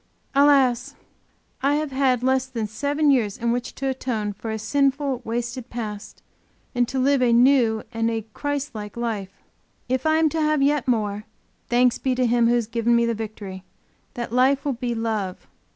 Alas! I have had less than seven years in which to atone for a sinful, wasted past and to live a new and a Christ like life. If I am to have yet more, thanks be to Him who has given me the victory, that Life will be Love.